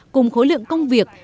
cùng khối lượng công việc